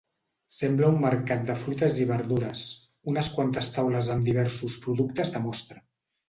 Sembla un mercat de fruites i verdures, unes quantes taules amb diversos productes de mostra.